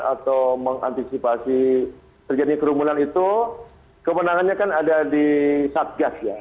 atau mengantisipasi terjadinya kerumunan itu kewenangannya kan ada di satgas ya